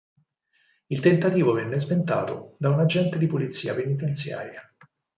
Il tentativo venne sventato da un agente di polizia penitenziaria.